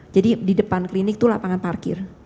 jadi di depan klinik itu lapangan parkir